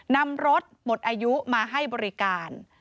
นำรถหมดอายุมาให้บริการ